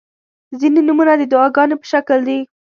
• ځینې نومونه د دعاګانو په شکل دي.